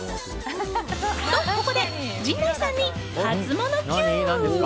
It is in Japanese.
と、ここで陣内さんにハツモノＱ。